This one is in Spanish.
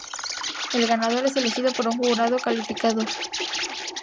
El ganador es elegido por un jurado calificador.